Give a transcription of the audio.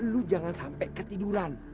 lo jangan sampe ketiduran